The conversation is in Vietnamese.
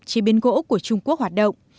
chế biến gỗ của trung quốc hoạt động